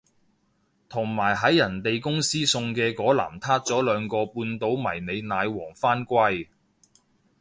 同埋喺人哋公司送嘅嗰籃撻咗兩個半島迷你奶黃返歸